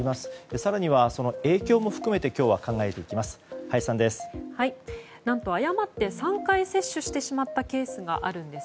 更には、その影響も含めて今日は考えていきます。